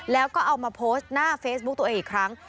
แล้วก็เอามาโพสต์หน้าเฟซบุ๊กตัวเองอีกครั้ง